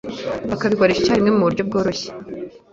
bakabikoresha icyarimwe mu buryo bworoshye.